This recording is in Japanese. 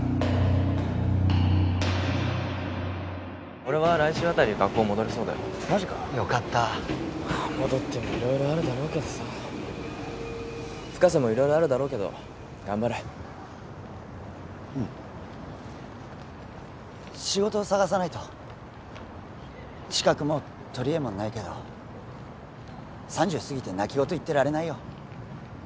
俺は来週あたり学校戻れそうだよマジか良かったまあ戻っても色々あるだろうけど深瀬も色々あるだろうけど頑張れうん仕事を探さないと資格も取り柄もないけど３０過ぎて泣き言言ってられないよ